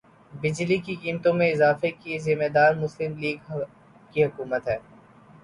بجلی کی قیمتوں میں اضافے کی ذمہ دار مسلم لیگ کی حکومت ہے